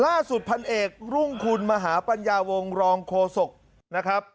ล่าสุดพันเอกรุ่งคุณมหาปัญญาวงศ์รองโฆษกนะครับ